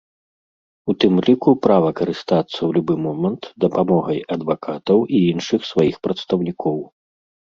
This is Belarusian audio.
У тым ліку права карыстацца ў любы момант дапамогай адвакатаў і іншых сваіх прадстаўнікоў.